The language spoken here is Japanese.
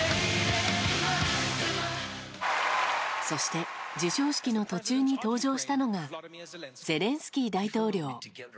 そして授賞式の途中に登場したのがゼレンスキー大統領。